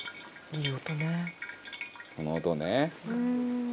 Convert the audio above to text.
いい音ね。